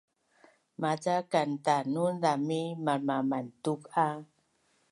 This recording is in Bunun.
Maca kantanun zami malmamantuk a